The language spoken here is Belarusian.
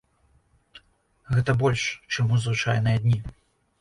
Гэта больш, чым у звычайныя дні.